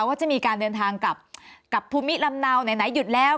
ว่าจะมีการเดินทางกับภูมิลำเนาไหนหยุดแล้ว